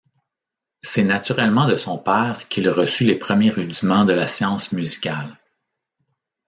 C’est naturellement de son père qu'il reçut les premiers rudiments de la science musicale.